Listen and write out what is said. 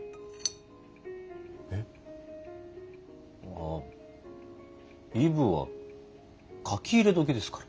えっ？ああイブは書き入れ時ですから。